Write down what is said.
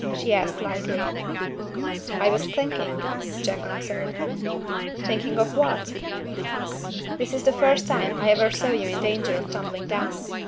she asked lightly. "I was thinking," Jack answered. "Thinking of what?" "This is the first time I ever saw you in danger of tumbling down.